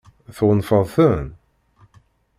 Tɣunfaḍ-ten?